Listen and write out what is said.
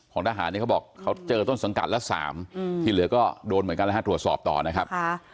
ทหารเนี่ยเขาบอกเขาเจอต้นสังกัดละ๓ที่เหลือก็โดนเหมือนกันนะฮะตรวจสอบต่อนะครับ